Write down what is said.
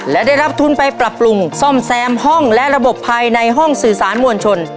และได้รับทุนไปปรับปรุงซ่อมแซมห้องและระบบภายในห้องสื่อสารมวลชน